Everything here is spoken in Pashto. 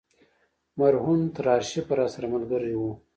مرهون تر آرشیفه راسره ملګری و.